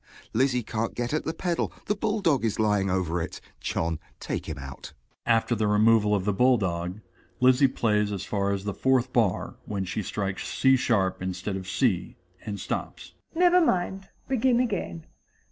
Lizzie can't get at the pedal, the bull dog is lying over it. John, take him out. (_After the removal of the bull dog, Lizzie plays as far as the fourth bar, when she strikes c sharp instead of c, and stops._) MRS. S. Never mind, begin again.